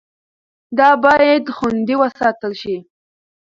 دا باید خوندي وساتل شي.